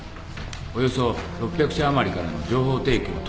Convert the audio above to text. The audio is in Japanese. およそ６００社余りからの情報提供を取りまとめました。